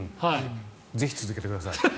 ぜひ、続けてください。